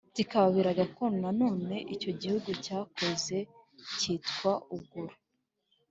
kibabere gakondo Nanone icyo gihugu cyahoze cyitwa uguru